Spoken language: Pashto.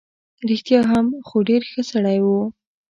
رښتیا هم، خو ډېر ښه سړی وو.